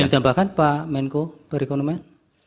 ada yang menambahkan pak menko pak rekonomen